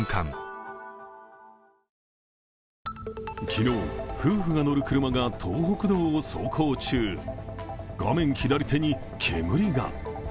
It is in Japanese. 昨日、夫婦が乗る車が東北道を走行中、画面左手に煙が。